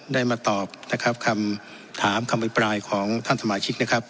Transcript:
ได้มาตอบนะครับคำถามคำอภิปรายของท่านสมาชิกนะครับ